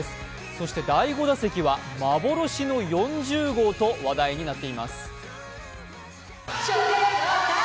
そして第５打席は幻の４０号と話題になっています。